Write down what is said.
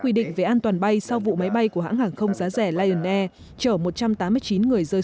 quy định về an toàn bay sau vụ máy bay của hãng hàng không giá rẻ lion air chở một trăm tám mươi chín người rơi